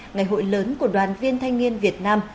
ngày hội lớn của đoàn viên thanh niên việt nam